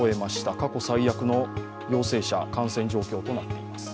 過去最悪の陽性者感染状況となっています。